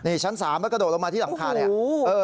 นี่ชั้น๓แล้วก็โดดลงมาที่หลังคานี่